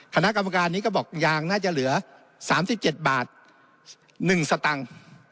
คณะกรรมการนี้ก็บอกยางน่าจะเหลือ๓๗บาท๑สตังค์